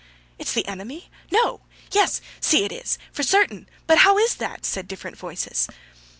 "It's the enemy?... No!... Yes, see it is!... for certain.... But how is that?" said different voices.